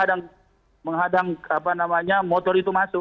kadang menghadang motor itu masuk